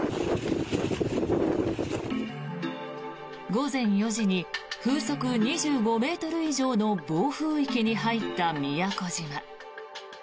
午前４時に風速２５ｍ以上の暴風域に入った宮古島。